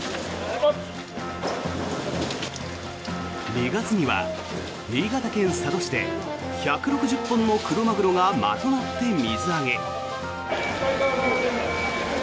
２月には新潟県佐渡市で１６０本のクロマグロがまとまって水揚げ。